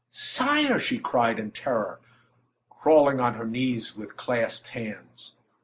"Sire!" she cried, in terror, calling on her knees with clasped hands.